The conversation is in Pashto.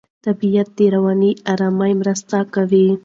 طبیعت د رواني آرامۍ مرسته کوي.